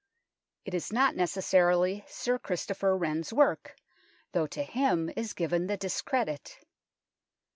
It is not neces sarily Sir Christopher Wren's work, though to him is given the discredit.